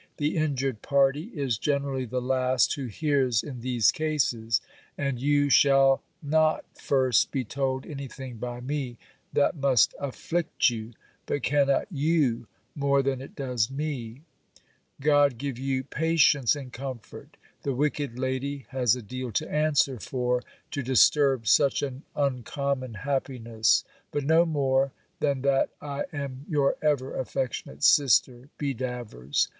The injured party is generally the last who hears in these cases, and you shall not first be told anything by me that must afflict you, but cannot you, more than it does me. God give you patience and comfort! The wicked lady has a deal to answer for, to disturb such an uncommon happiness. But no more, than that I am your ever affectionate sister, B. DAVERS.